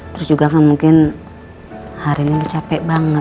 terus juga kan mungkin hari ini udah capek banget